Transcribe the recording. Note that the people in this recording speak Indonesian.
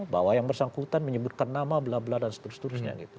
bahwa yang bersangkutan menyebutkan nama blablabla dan seterusnya